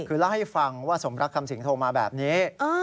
คือเล่าให้ฟังว่าสมรักคำสิงโทรมาแบบนี้